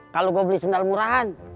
kalo gue beli sandal murahan